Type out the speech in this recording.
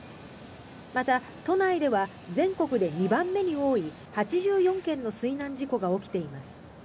また、都内では全国で２番目に多い８４件の水難事故が起きています。